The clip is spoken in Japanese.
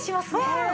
うん。